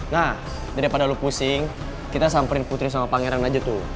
nah daripada lu pusing kita samperin putri sama pangeran aja tuh